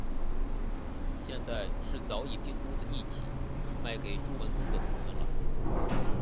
现在是早已并屋子一起卖给朱文公的子孙了